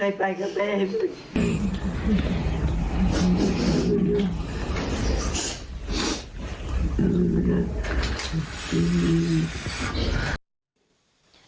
หลังจากขั้นตอนนี้ที่เสร็จพิธีนะคะคุณผู้ชม